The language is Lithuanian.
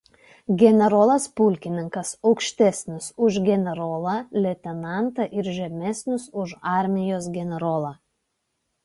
Generolas pulkininkas aukštesnis už generolą leitenantą ir žemesnis už armijos generolą.